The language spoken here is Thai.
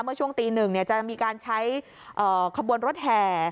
เมื่อช่วงตี๑จะมีการใช้ขบวนรถแห่